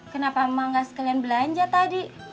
kenapa emak nggak sekalian belanja tadi